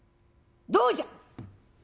どうじゃ？」。